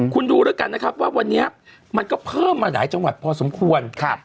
คุณดูแล้วกันนะครับว่าวันนี้มันก็เพิ่มมาหลายจังหวัดพอสมควร